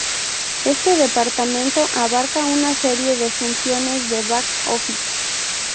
Este departamento abarca una serie de funciones de back office.